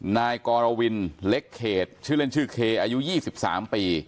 นายกรวินเล็กเขตชื่อเล่นชื่อเคอายุ๒๓ปี